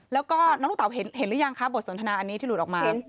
แล้วก็น้องลูกเต๋าเห็นหรือยังคะบทสนทนาอันนี้ที่หลุดออกมา